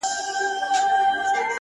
ټول عمر ښېرا کوه دا مه وايه;